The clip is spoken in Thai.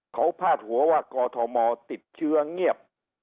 เขาพาดหัวว่ากอทมติดเชื้อเงียบ